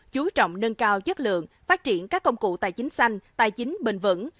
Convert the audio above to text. chú trọng nâng cao chất lượng phát triển các công cụ tài chính xanh tài chính bền vững